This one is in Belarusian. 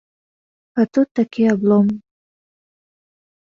А тут такі аблом.